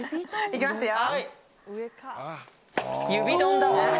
いきますよ。